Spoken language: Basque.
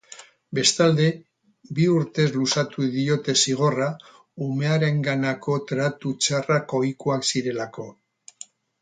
Bestalde, bi urtez luzatu diote zigorra umearenganako tratu txarrak ohikoak zirelako.